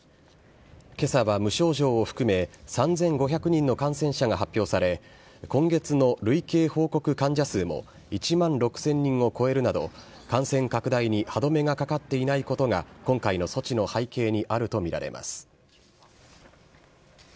けさは無症状を含め、３５００人の感染者が発表され、今月の累計報告患者数も１万６０００人を超えるなど、感染拡大に歯止めがかかっていないことが、今回の措置の背景にあると見られます。